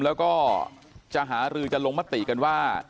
แล้วก็จะหารือจะลงมติกันว่า